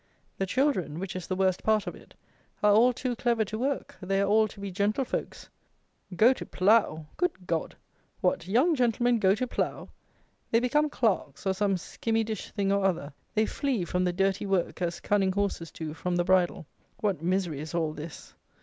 The children (which is the worst part of it) are all too clever to work: they are all to be gentlefolks. Go to plough! Good God! What, "young gentlemen" go to plough! They become clerks, or some skimmy dish thing or other. They flee from the dirty work as cunning horses do from the bridle. What misery is all this!